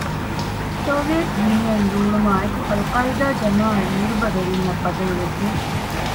ސޮވިއެޓް ޔުނިއަން ރޫޅުމާއެކު އަލްޤާޢިދާ ޖަމާޢަތް ނިރުބަވެރީންނަށް ބަދަލުވެއްޖެ